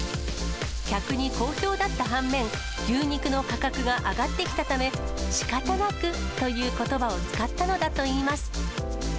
客に好評だった半面、牛肉の価格が上がってきたため、仕方なくということばを使ったのだといいます。